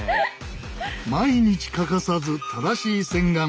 毎日欠かさず正しい洗顔。